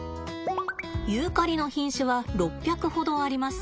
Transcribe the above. ユーカリの品種は６００ほどあります。